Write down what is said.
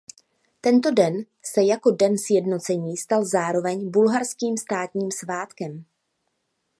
Tento den se jako „Den sjednocení“ stal zároveň bulharským státním svátkem.